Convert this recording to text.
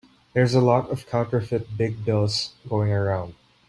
There's a lot of counterfeit big bills going around.